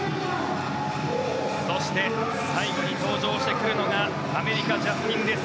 そして、最後に登場してくるのがアメリカ、ジャスティン・レス。